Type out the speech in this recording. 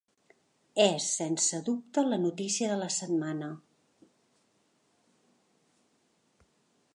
És sense dubte la notícia de la setmana.